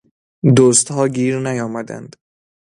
دزد ها گیر نیامدند